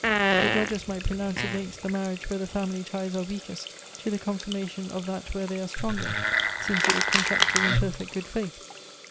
The judges might pronounce against the marriage where the family ties are weakest, to the confirmation of that where they are stronger, since it was contracted in perfect good faith.